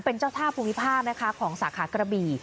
เป็นเจ้าท่าภูมิภาคนะคะของสาขากระบี่